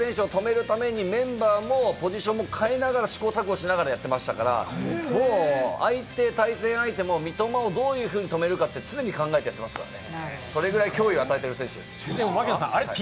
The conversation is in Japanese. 相手が三笘薫選手を止めるためにメンバーもポジションをかえながら試行錯誤しながらやってましたから、対戦相手も三笘をどういうふうに止めるかって常に考えてますからね。